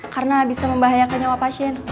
karena bisa membahayakan nyawa pasien